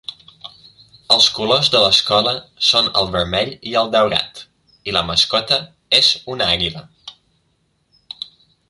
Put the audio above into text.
Els colors de l'escola són el vermell i el daurat, i la mascota és una àguila.